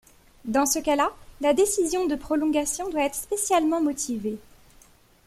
Dans ce cas-là, la décision de prolongation doit être spécialement motivée.